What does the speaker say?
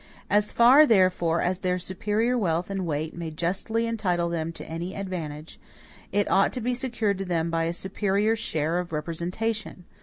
As far, therefore, as their superior wealth and weight may justly entitle them to any advantage, it ought to be secured to them by a superior share of representation.